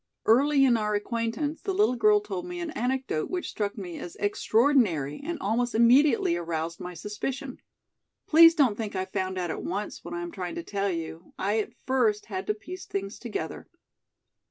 Early in our acquaintance the little girl told me an anecdote which struck me as extraordinary and almost immediately aroused my suspicion. Please don't think I found out at once what I am trying to tell you, I at first had to piece things together.